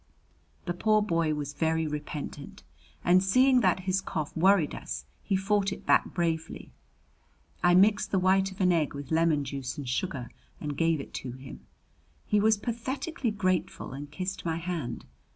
The poor boy was very repentant, and seeing that his cough worried us he fought it back bravely. I mixed the white of an egg with lemon juice and sugar, and gave it to him. He was pathetically grateful and kissed my hand.